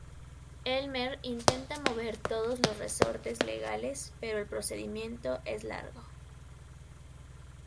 Elmer intenta mover todos los resortes legales, pero el procedimiento es largo.